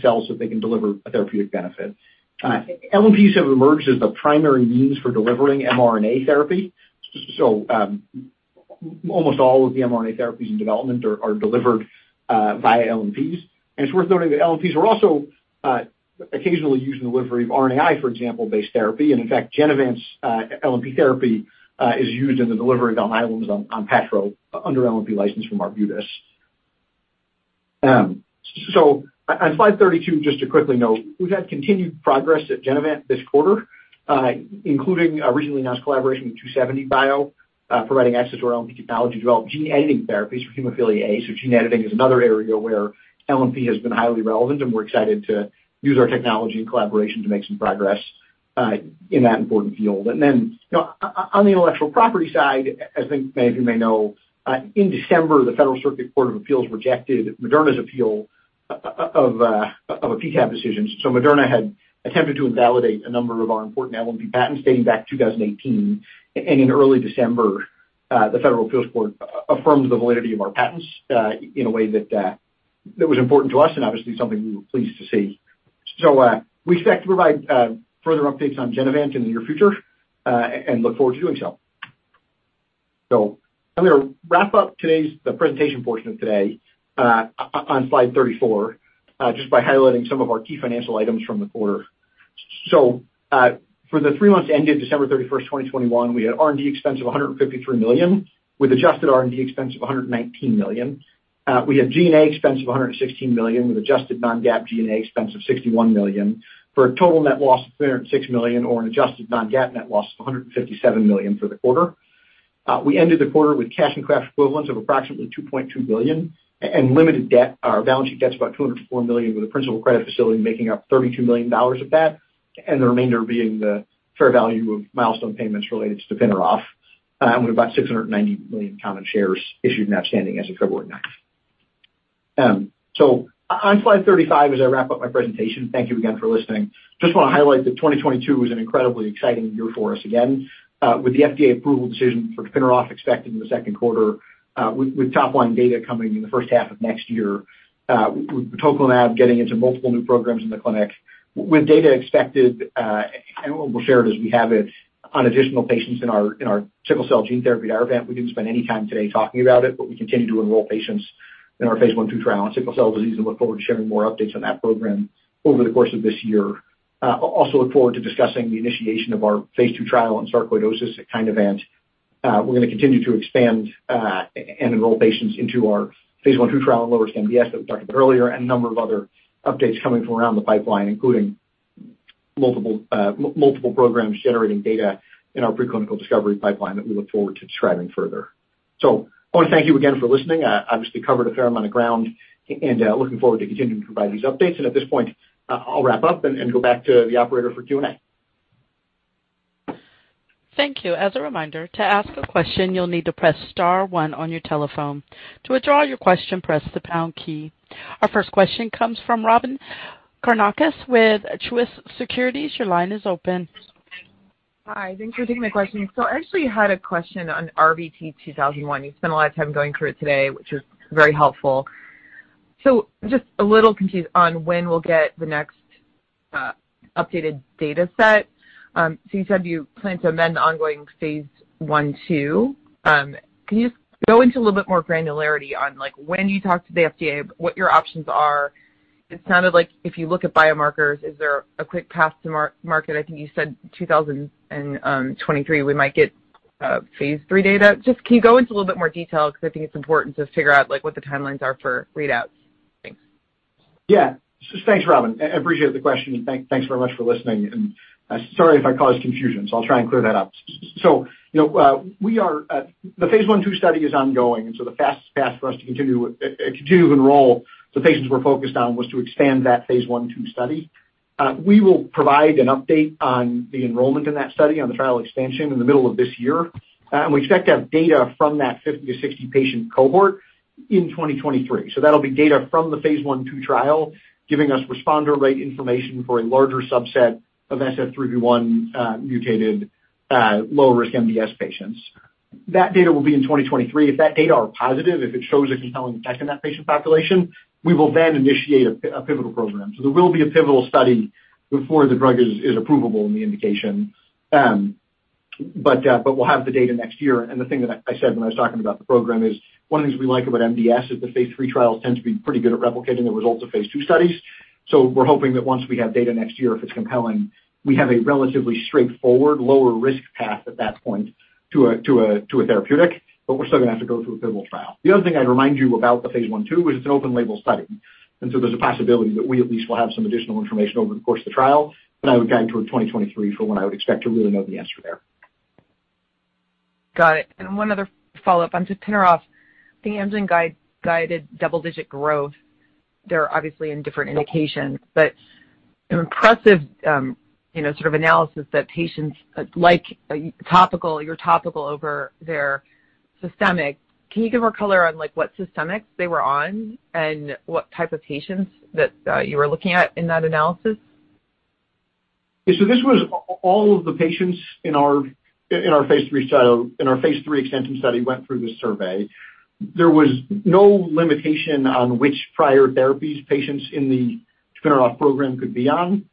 cells so they can deliver a therapeutic benefit. LNPs have emerged as the primary means for delivering mRNA therapy. Almost all of the mRNA therapies in development are delivered via LNPs. It's worth noting that LNPs are also occasionally used in the delivery of RNAi-based therapy. In fact, Genevant's LNP therapy is used in the delivery of Onpattro under LNP license from Arbutus. On slide 32, just to quickly note, we've had continued progress at Genevant this quarter, including a recently announced collaboration with 2seventy bio, providing access to our LNP technology to develop gene editing therapies for hemophilia A. Gene editing is another area where LNP has been highly relevant, and we're excited to use our technology and collaboration to make some progress in that important field. Then, you know, on the intellectual property side, as I think many of you may know, in December, the Federal Circuit Court of Appeals rejected Moderna's appeal of a PTAB decision. Moderna had attempted to invalidate a number of our important LNP patents dating back to 2018. In early December, the Federal Appeals Court affirmed the validity of our patents in a way that was important to us and obviously something we were pleased to see. We expect to provide further updates on Genevant in the near future and look forward to doing so. I'm gonna wrap up the presentation portion of today on slide 34, just by highlighting some of our key financial items from the quarter. For the three months ending December 31st, 2021, we had R&D expense of $153 million, with adjusted R&D expense of $119 million. We had G&A expense of $116 million, with adjusted non-GAAP G&A expense of $61 million. For a total net loss of $306 million or an adjusted non-GAAP net loss of $157 million for the quarter. We ended the quarter with cash and cash equivalents of approximately $2.2 billion and limited debt. Our balance sheet debt's about $204 million, with a principal credit facility making up $32 million of that, and the remainder being the fair value of milestone payments related to tapinarof, with about 690 million common shares issued and outstanding as of February 9. On slide 35, as I wrap up my presentation, thank you again for listening. Just wanna highlight that 2022 is an incredibly exciting year for us again, with the FDA approval decision for tapinarof expected in the second quarter, with top line data coming in the first half of next year, with batoclimab getting into multiple new programs in the clinic with data expected, and we'll share it as we have it on additional patients in our sickle cell gene therapy, Aruvant. We didn't spend any time today talking about it, but we continue to enroll patients in our phase I/II trial on sickle cell disease and look forward to sharing more updates on that program over the course of this year. Also look forward to discussing the initiation of our phase II trial on sarcoidosis at Kinevant. We're gonna continue to expand and enroll patients into our phase I/II trial on lower risk MDS that we talked about earlier, and a number of other updates coming from around the pipeline, including multiple programs generating data in our preclinical discovery pipeline that we look forward to describing further. I want to thank you again for listening. Obviously covered a fair amount of ground and looking forward to continuing to provide these updates. At this point, I'll wrap up and go back to the operator for Q&A. Thank you. As a reminder, to ask a question, you'll need to press star one on your telephone. To withdraw your question, press the pound key. Our first question comes from Robyn Karnauskas with Truist Securities. Your line is open. Hi. Thanks for taking my question. I actually had a question on RVT-2001. You spent a lot of time going through it today, which was very helpful. Just a little confused on when we'll get the next updated data set. You said you plan to amend the ongoing phase I/II. Can you go into a little bit more granularity on, like, when you talk to the FDA, what your options are? It sounded like if you look at biomarkers, is there a quick path to market? I think you said 2023, we might get phase III data. Just can you go into a little bit more detail? Because I think it's important to figure out, like, what the timelines are for readouts. Thanks. Yeah. Thanks, Robyn. Appreciate the question, and thanks very much for listening. Sorry if I caused confusion, so I'll try and clear that up. You know, the phase I/II study is ongoing, and the fastest path for us to continue to enroll the patients we're focused on was to expand that phase I/II study. We will provide an update on the enrollment in that study on the trial expansion in the middle of this year. We expect to have data from that 50-60 patient cohort in 2023. That'll be data from the phase I/II trial, giving us responder rate information for a larger subset of SF3B1 mutated low risk MDS patients. That data will be in 2023. If that data are positive, if it shows a compelling effect in that patient population, we will then initiate a pivotal program. There will be a pivotal study before the drug is approvable in the indication. We'll have the data next year. The thing that I said when I was talking about the program is one of the things we like about MDS is the phase III trials tend to be pretty good at replicating the results of phase II studies. We're hoping that once we have data next year, if it's compelling, we have a relatively straightforward lower risk path at that point to a therapeutic, but we're still gonna have to go through a pivotal trial. The other thing I'd remind you about the phase I/II was it's an open label study, and so there's a possibility that we at least will have some additional information over the course of the trial, but I would guide toward 2023 for when I would expect to really know the answer there. Got it. One other follow-up on Spinoff. I think Amgen guided double-digit growth. They're obviously in different indications, but an impressive, you know, sort of analysis that patients like topical, your topical over their systemic. Can you give more color on, like, what systemics they were on and what type of patients that you were looking at in that analysis? Yeah. This was all of the patients in our phase III extension study who went through this survey. There was no limitation on which prior therapies patients in the Spinoff program could be on,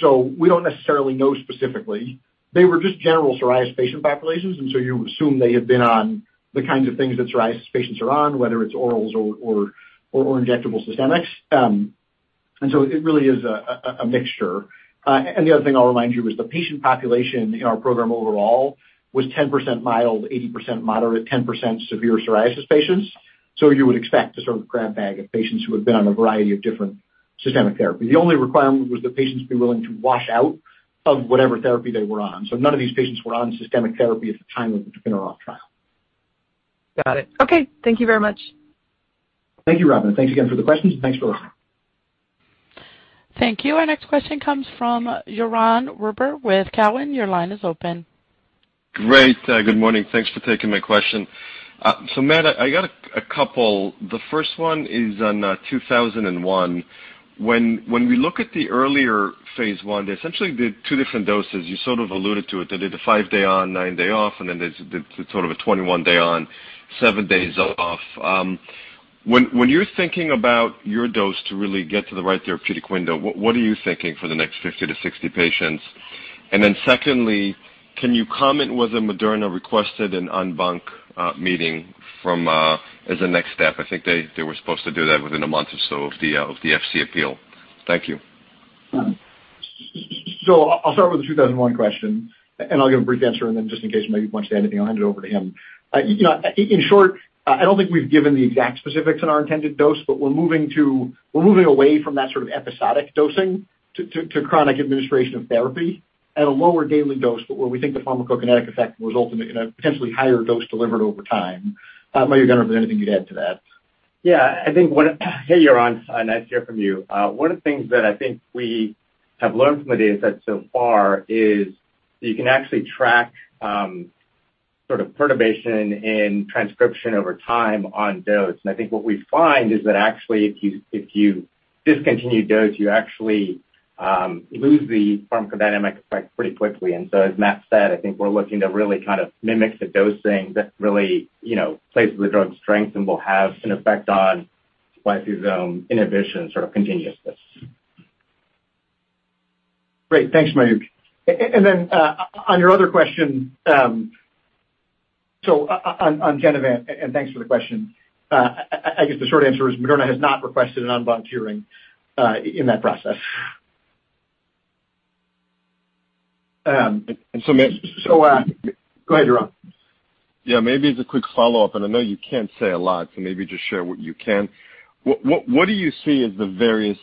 so we don't necessarily know specifically. They were just general psoriasis patient populations, and you assume they have been on the kinds of things that psoriasis patients are on, whether it's orals or injectable systemics. It really is a mixture. The other thing I'll remind you is the patient population in our program overall was 10% mild, 80% moderate, 10% severe psoriasis patients. You would expect a sort of grab bag of patients who had been on a variety of different systemic therapy. The only requirement was the patients be willing to wash out of whatever therapy they were on. None of these patients were on systemic therapy at the time of the Spinoff trial. Got it. Okay. Thank you very much. Thank you, Robyn. Thanks again for the questions. Thanks for listening. Thank you. Our next question comes from Yaron Werber with Cowen. Your line is open. Great. Good morning. Thanks for taking my question. Matt, I got a couple. The first one is on RVT-2001. When we look at the earlier phase I, they essentially did two different doses. You sort of alluded to it. They did a 5-day on, 9-day off, and then they did sort of a 21-day on, 7 days off. When you're thinking about your dose to really get to the right therapeutic window, what are you thinking for the next 50-60 patients? Secondly, can you comment whether Moderna requested an en banc meeting from the Federal Circuit as a next step? I think they were supposed to do that within a month or so of the Federal Circuit appeal. Thank you. I'll start with the RVT-2001 question, and I'll give a brief answer, and then just in case maybe you want to say anything, I'll hand it over to him. You know, in short, I don't think we've given the exact specifics on our intended dose, but we're moving away from that sort of episodic dosing to chronic administration of therapy at a lower daily dose, but where we think the pharmacokinetic effect will result in a potentially higher dose delivered over time. Mayukh, I don't know if there's anything you'd add to that. Yeah, I think. Hey, Yaron. Nice to hear from you. One of the things that I think we have learned from the data set so far is you can actually track sort of perturbation in transcription over time on dose. I think what we find is that actually if you discontinue dose, you actually lose the pharmacodynamic effect pretty quickly. As Matt said, I think we're looking to really kind of mimic the dosing that really, you know, plays to the drug's strength and will have an effect on spliceosome inhibition sort of continuousness. Great. Thanks, Mayukh. On your other question, on Genevant, and thanks for the question, I guess the short answer is Moderna has not requested an en banc hearing in that process. Um, and so may- Go ahead, Yaron. Yeah, maybe as a quick follow-up, and I know you can't say a lot, so maybe just share what you can. What do you see as the various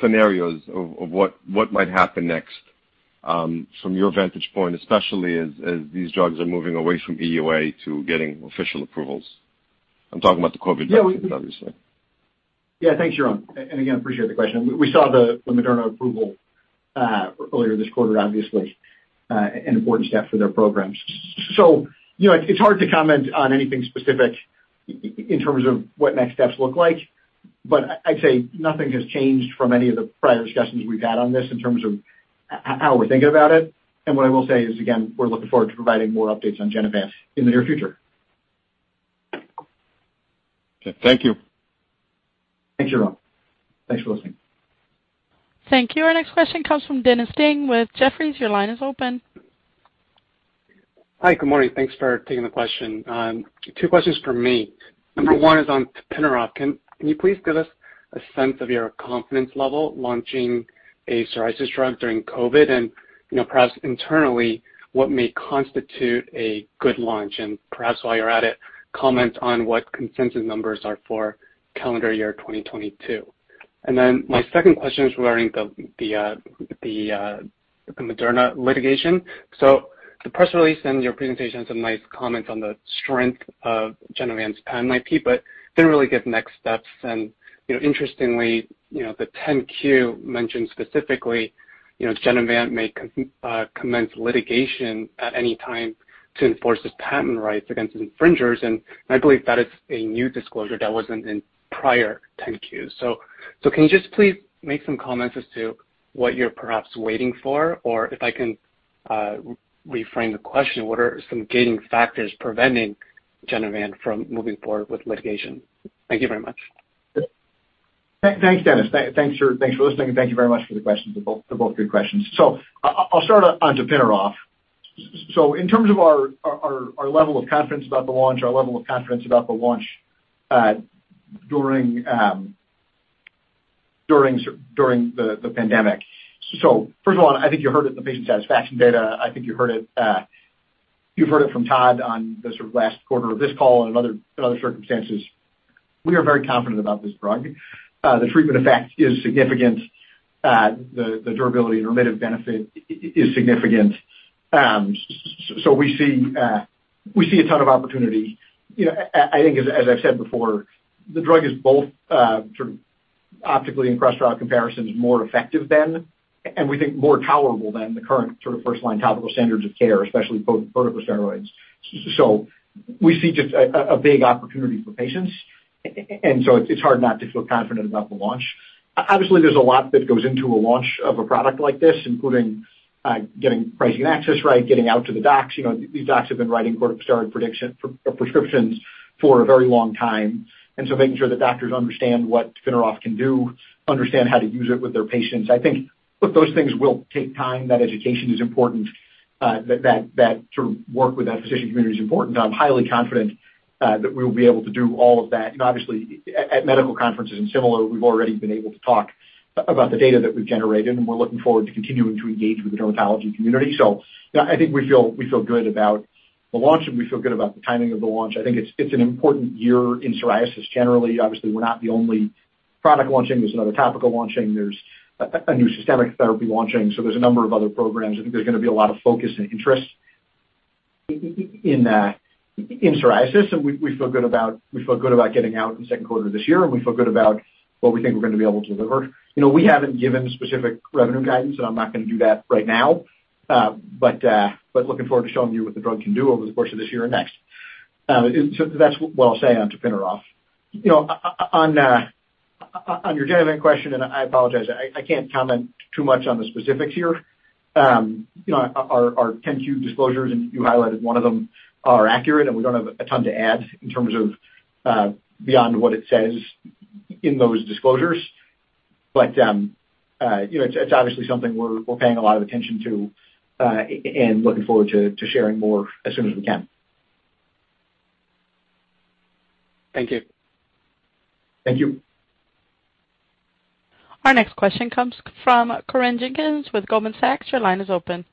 scenarios of what might happen next, from your vantage point, especially as these drugs are moving away from EUA to getting official approvals? I'm talking about the COVID drugs, obviously. Thanks, Yaron, and again, appreciate the question. We saw the Moderna approval earlier this quarter, obviously, an important step for their programs. So, you know, it's hard to comment on anything specific in terms of what next steps look like, but I'd say nothing has changed from any of the prior discussions we've had on this in terms of how we're thinking about it. What I will say is, again, we're looking forward to providing more updates on Genevant in the near future. Okay. Thank you. Thanks, Yaron. Thanks for listening. Thank you. Our next question comes from Dennis Ding with Jefferies. Your line is open. Hi. Good morning. Thanks for taking the question. Two questions from me. Number 1 is on tapinarof. Can you please give us a sense of your confidence level launching a psoriasis drug during COVID? You know, perhaps internally, what may constitute a good launch? Perhaps while you're at it, comment on what consensus numbers are for calendar year 2022. Then my second question is regarding the Moderna litigation. The press release and your presentation had some nice comments on the strength of Genevant's patent IP, but didn't really give next steps. You know, interestingly, the 10-Q mentioned specifically, Genevant may commence litigation at any time to enforce its patent rights against infringers. I believe that is a new disclosure that wasn't in prior 10-Qs. Can you just please make some comments as to what you're perhaps waiting for? Or if I can reframe the question, what are some gating factors preventing Genevant from moving forward with litigation? Thank you very much. Thanks, Dennis. Thanks for listening, and thank you very much for the questions. They're both good questions. I'll start on tapinarof. In terms of our level of confidence about the launch during the pandemic, first of all, I think you heard it in the patient satisfaction data. I think you heard it, you've heard it from Todd on the sort of last quarter of this call and in other circumstances. We are very confident about this drug. The treatment effect is significant. The durability and remittive benefit is significant. We see a ton of opportunity. You know, I think as I've said before, the drug is both sort of optically in cross-trial comparisons more effective than, and we think more tolerable than the current sort of first-line topical standards of care, especially potent corticosteroids. So we see just a big opportunity for patients. It's hard not to feel confident about the launch. Obviously, there's a lot that goes into a launch of a product like this, including getting pricing and access right, getting out to the docs. You know, these docs have been writing corticosteroid prescriptions for a very long time. Making sure that doctors understand what tapinarof can do, understand how to use it with their patients. I think, look, those things will take time. That education is important. That sort of work with that physician community is important. I'm highly confident that we'll be able to do all of that. Obviously at medical conferences and similar, we've already been able to talk about the data that we've generated, and we're looking forward to continuing to engage with the dermatology community. You know, I think we feel good about the launch, and we feel good about the timing of the launch. I think it's an important year in psoriasis generally. Obviously, we're not the only product launching. There's another topical launching. There's a new systemic therapy launching. There's a number of other programs. I think there's gonna be a lot of focus and interest in psoriasis. We feel good about getting out in second quarter this year, and we feel good about what we think we're gonna be able to deliver. You know, we haven't given specific revenue guidance, and I'm not gonna do that right now. Looking forward to showing you what the drug can do over the course of this year and next. That's what I'll say on tapinarof. You know, on your Genevant question, and I apologize, I can't comment too much on the specifics here. You know, our 10-Q disclosures, and you highlighted one of them, are accurate, and we don't have a ton to add in terms of beyond what it says in those disclosures. You know, it's obviously something we're paying a lot of attention to and looking forward to sharing more as soon as we can. Thank you. Thank you. Our next question comes from Corinne Jenkins with Goldman Sachs. Your line is open.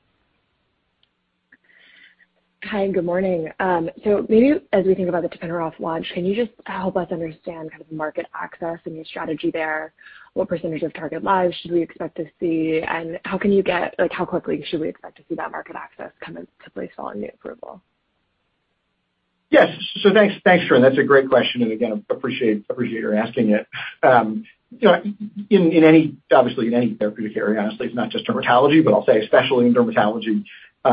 Hi, and good morning. Maybe as we think about the tapinarof launch, can you just help us understand kind of the market access and your strategy there? What percentage of target lives should we expect to see? How quickly should we expect to see that market access come into play following the approval? Yes. Thanks, Corinne. That's a great question, and again, appreciate your asking it. You know, in any therapeutic area, obviously, it's not just dermatology, but I'll say especially in dermatology,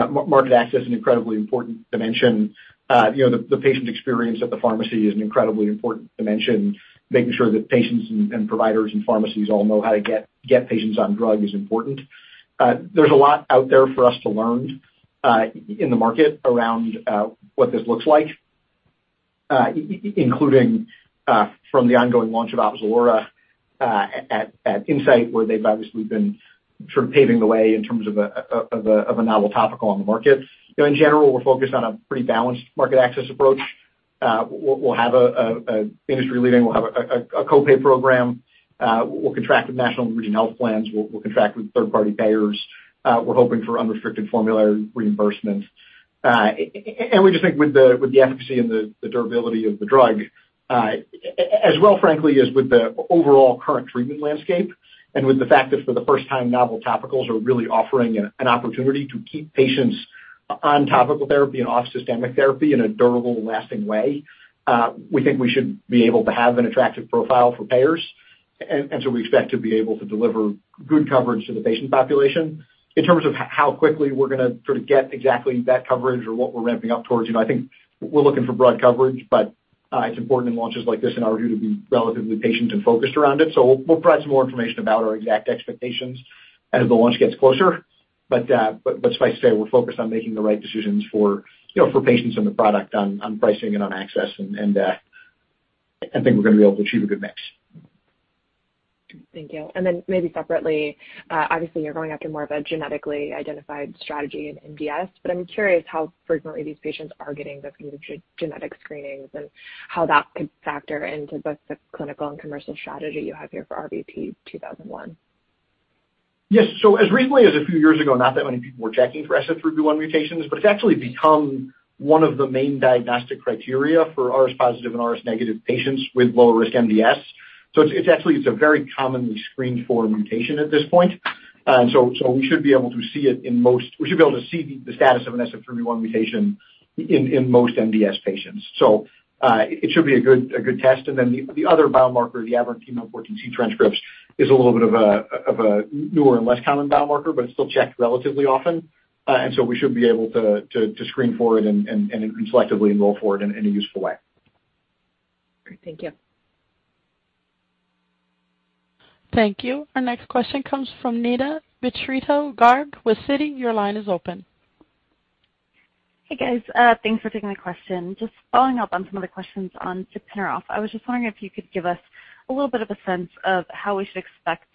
market access is an incredibly important dimension. You know, the patient experience at the pharmacy is an incredibly important dimension. Making sure that patients and providers and pharmacies all know how to get patients on drug is important. There's a lot out there for us to learn in the market around what this looks like, including from the ongoing launch of Opzelura at Incyte, where they've obviously been sort of paving the way in terms of a novel topical on the market. You know, in general, we're focused on a pretty balanced market access approach. We'll have an industry-leading copay program. We'll contract with national and regional health plans. We'll contract with third-party payers. We're hoping for unrestricted formulary reimbursement. We just think with the efficacy and the durability of the drug, as well, frankly, as with the overall current treatment landscape and with the fact that for the first time, novel topicals are really offering an opportunity to keep patients on topical therapy and off systemic therapy in a durable and lasting way, we think we should be able to have an attractive profile for payers. We expect to be able to deliver good coverage to the patient population. In terms of how quickly we're gonna sort of get exactly that coverage or what we're ramping up towards, you know, I think we're looking for broad coverage, but it's important in launches like this in our view to be relatively patient and focused around it. We'll provide some more information about our exact expectations as the launch gets closer. Suffice to say, we're focused on making the right decisions for, you know, for patients and the product on pricing and on access. I think we're gonna be able to achieve a good mix. Thank you. Maybe separately, obviously you're going after more of a genetically identified strategy in MDS, but I'm curious how frequently these patients are getting those kind of genetic screenings and how that could factor into both the clinical and commercial strategy you have here for RVT-2001. Yes. As recently as a few years ago, not that many people were checking for SF3B1 mutations, but it's actually become one of the main diagnostic criteria for RS-positive and RS-negative patients with low risk MDS. It's actually a very commonly screened for mutation at this point. We should be able to see the status of an SF3B1 mutation in most MDS patients. It should be a good test. The other biomarker, the aberrant TMEM14C transcripts, is a little bit of a newer and less common biomarker, but it's still checked relatively often. We should be able to screen for it and selectively enroll for it in a useful way. Great. Thank you. Thank you. Our next question comes from Neena Bitritto-Garg with Citi. Your line is open. Hey, guys. Thanks for taking my question. Just following up on some of the questions on tapinarof. I was just wondering if you could give us a little bit of a sense of how we should expect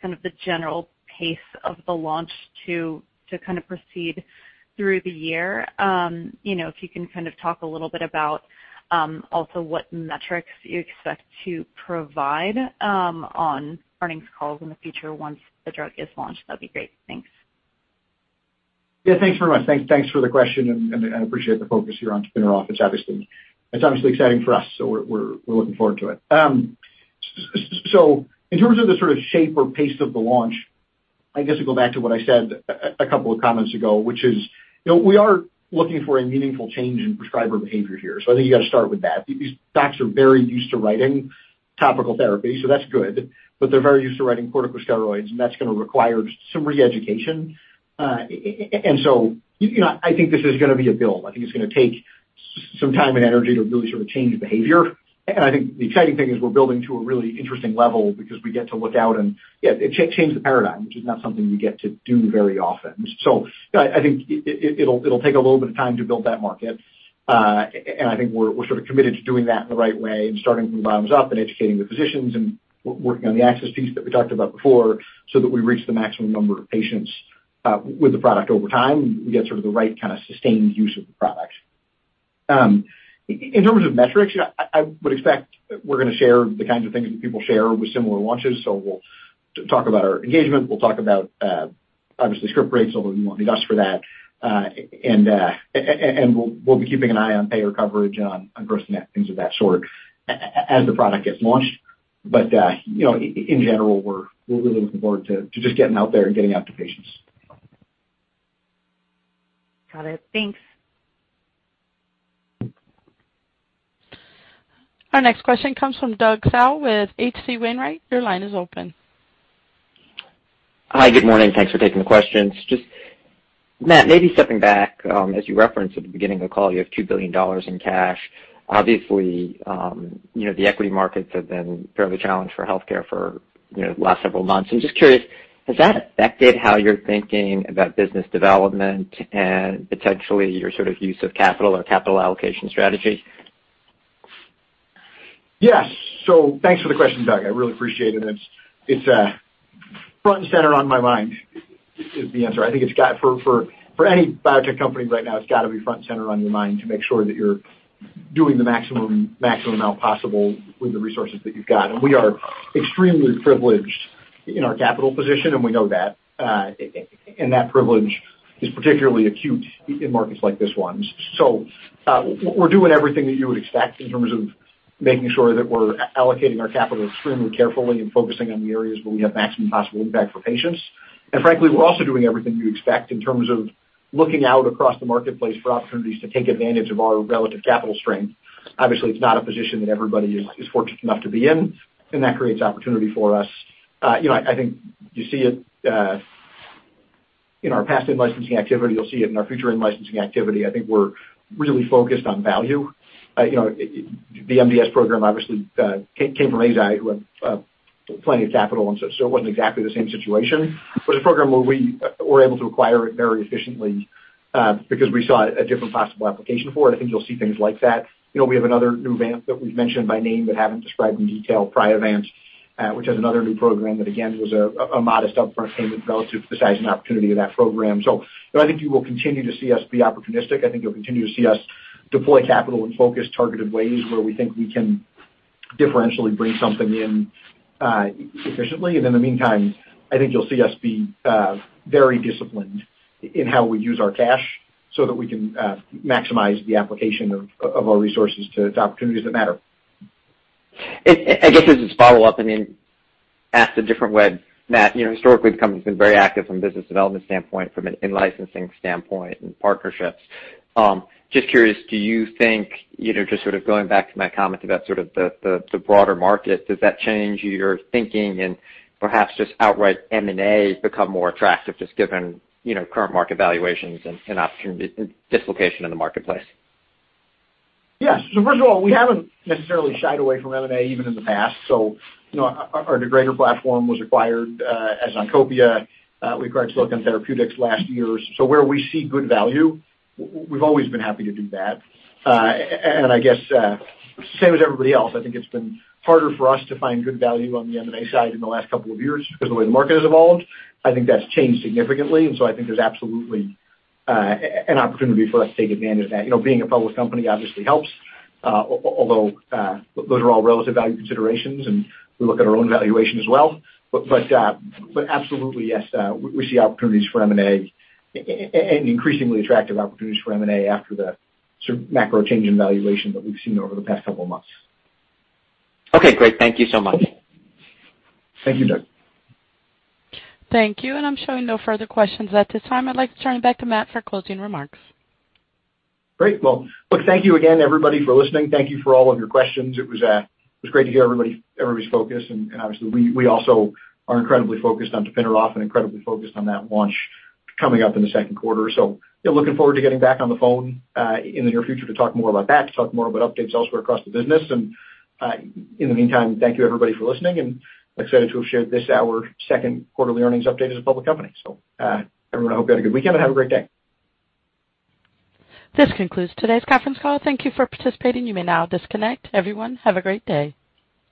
kind of the general pace of the launch to kind of proceed through the year. You know, if you can kind of talk a little bit about also what metrics you expect to provide on earnings calls in the future once the drug is launched, that'd be great. Thanks. Yeah. Thanks very much. Thanks for the question, and I appreciate the focus here on tapinarof. It's obviously exciting for us, so we're looking forward to it. In terms of the sort of shape or pace of the launch, I guess to go back to what I said a couple of comments ago, which is, you know, we are looking for a meaningful change in prescriber behavior here. I think you got to start with that. These docs are very used to writing topical therapy, so that's good. They're very used to writing corticosteroids, and that's gonna require some reeducation. You know, I think this is gonna be a build. I think it's gonna take some time and energy to really sort of change behavior. I think the exciting thing is we're building to a really interesting level because we get to look out and, yeah, change the paradigm, which is not something we get to do very often. You know, I think it'll take a little bit of time to build that market. And I think we're sort of committed to doing that in the right way and starting from the bottoms up and educating the physicians and working on the access piece that we talked about before so that we reach the maximum number of patients with the product over time, and we get sort of the right kind of sustained use of the product. In terms of metrics, you know, I would expect we're gonna share the kinds of things that people share with similar launches. We'll talk about our engagement. We'll talk about obviously script rates, although we won't need it for that. We'll be keeping an eye on payer coverage, on gross-to-net, things of that sort as the product gets launched. You know, in general, we're really looking forward to just getting out there and getting out to patients. Got it. Thanks. Our next question comes from Douglas Tsao with H.C. Wainwright. Your line is open. Hi. Good morning. Thanks for taking the questions. Just, Matt, maybe stepping back, as you referenced at the beginning of the call, you have $2 billion in cash. Obviously, you know, the equity markets have been fairly challenged for healthcare for, you know, the last several months. I'm just curious, has that affected how you're thinking about business development and potentially your sort of use of capital or capital allocation strategy? Yes. So thanks for the question, Doug. I really appreciate it. It's front and center on my mind is the answer. I think for any biotech company right now, it's got to be front and center on your mind to make sure that you're doing the maximum amount possible with the resources that you've got. We are extremely privileged in our capital position, and we know that. That privilege is particularly acute in markets like this one. We're doing everything that you would expect in terms of making sure that we're allocating our capital extremely carefully and focusing on the areas where we have maximum possible impact for patients. Frankly, we're also doing everything you expect in terms of looking out across the marketplace for opportunities to take advantage of our relative capital strength. Obviously, it's not a position that everybody is fortunate enough to be in, and that creates opportunity for us. You know, I think you see it in our past in-licensing activity. You'll see it in our future in-licensing activity. I think we're really focused on value. You know, the MDS program obviously came from Eisai, who had plenty of capital, and so it wasn't exactly the same situation. It's a program where we were able to acquire it very efficiently, because we saw a different possible application for it. I think you'll see things like that. You know, we have another new Vant that we've mentioned by name but haven't described in detail, Priovant. Which is another new program that again was a modest upfront payment relative to the size and opportunity of that program. I think you will continue to see us be opportunistic. I think you'll continue to see us deploy capital in focused, targeted ways where we think we can differentially bring something in, efficiently. In the meantime, I think you'll see us be very disciplined in how we use our cash so that we can maximize the application of our resources to opportunities that matter. I guess as just follow-up, I mean, asked a different way, Matt. You know, historically, the company's been very active from a business development standpoint, from an in-licensing standpoint and partnerships. Just curious, do you think, you know, just sort of going back to my comment about sort of the broader market, does that change your thinking and perhaps just outright M&A become more attractive just given, you know, current market valuations and opportunity and dislocation in the marketplace? Yes. First of all, we haven't necessarily shied away from M&A even in the past. You know, our degrader platform was acquired as Oncopia Therapeutics. We acquired Silicon Therapeutics last year. Where we see good value, we've always been happy to do that. And I guess, same as everybody else, I think it's been harder for us to find good value on the M&A side in the last couple of years because the way the market has evolved, I think that's changed significantly. I think there's absolutely an opportunity for us to take advantage of that. You know, being a public company obviously helps, although those are all relative value considerations, and we look at our own valuation as well. Absolutely, yes, we see opportunities for M&A and increasingly attractive opportunities for M&A after the sort of macro change in valuation that we've seen over the past couple of months. Okay, great. Thank you so much. Thank you, Doug. Thank you. I'm showing no further questions at this time. I'd like to turn it back to Matt for closing remarks. Great. Well, look, thank you again everybody for listening. Thank you for all of your questions. It was great to hear everybody's focus and obviously we also are incredibly focused on tapinarof and incredibly focused on that launch coming up in the second quarter. Yeah, looking forward to getting back on the phone in the near future to talk more about that, to talk more about updates elsewhere across the business. In the meantime, thank you everybody for listening and excited to have shared this, our second quarterly earnings update as a public company. Everyone, hope you had a good weekend and have a great day. This concludes today's conference call. Thank you for participating. You may now disconnect. Everyone, have a great day.